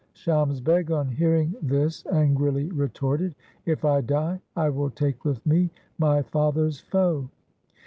Shams Beg on hearing this angrily retorted, ' If I die, I will take with me my father's foe.'